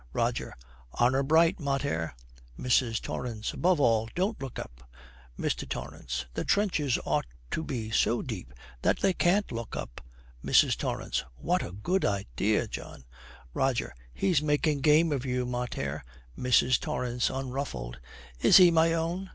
ROGER. 'Honour bright, mater.' MRS. TORRANCE. 'Above all, don't look up.' MR. TORRANCE. 'The trenches ought to be so deep that they can't look up.' MRS. TORRANCE. 'What a good idea, John.' ROGER. 'He's making game of you, mater.' MRS. TORRANCE, unruffled, 'Is he, my own?